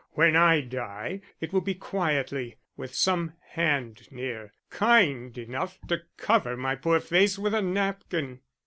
When I die, it will be quietly, with some hand near, kind enough to cover my poor face with a napkin."